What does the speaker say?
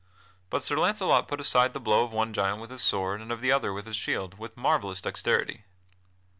But Sir Launcelot put aside the blow of one giant with his sword and of the other with his shield, with marvellous dexterity.